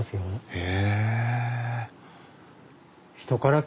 へえ！